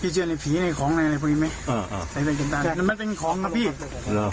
พี่เจอในผีในของอะไรอะไรพูดไหมอ่าอ่าแต่มันเป็นของครับพี่หรอ